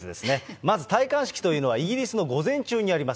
まず戴冠式というのは、イギリスの午前中にやります。